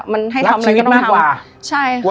มันให้ทำอะไรก็ต้องทำรักชีวิตมากกว่าใช่ค่ะ